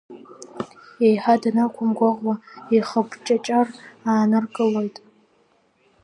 Еиҳа данақәымгәыӷуа, ихыԥҷаҷар ааныркылоит.